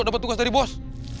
dapat tugas dari bos